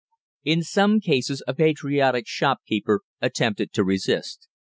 In some cases a patriotic shopkeeper attempted to resist.